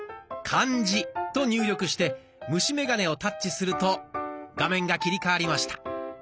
「漢字」と入力して虫眼鏡をタッチすると画面が切り替わりました。